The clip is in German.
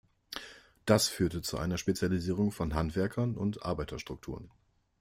Das führte zu einer Spezialisierung von Handwerkern und Arbeiter-Strukturen.